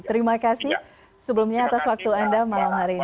terima kasih sebelumnya atas waktu anda malam hari ini